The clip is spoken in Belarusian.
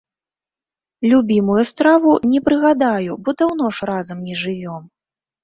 Любімую страву не прыгадаю, бо даўно ж разам не жывём.